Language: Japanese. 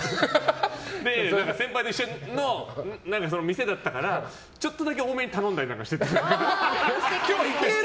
先輩と一緒の店だったからちょっとだけ多めに頼んだりしてて。